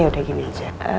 yaudah gini aja